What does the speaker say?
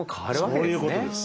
そういうことです。